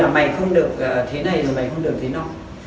mày không được thế này rồi mày không được thế nào